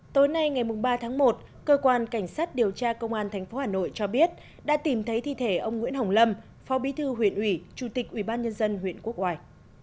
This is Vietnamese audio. tối nay ngày ba tháng một cơ quan cảnh sát điều tra công an tp hà nội cho biết đã tìm thấy thi thể ông nguyễn hồng lâm phó bí thư huyện ủy chủ tịch ubnd huyện quốc oai